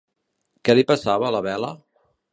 Què li passava a la vela?